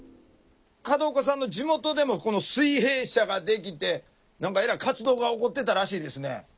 角岡さんの地元でもこの水平社ができて何かえらい活動が起こってたらしいですね。